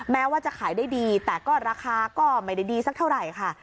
แม้ว่าจะขายได้ดีแต่ก็ราคาก็ไม่ได้ดีสักเท่าไหร่ค่ะ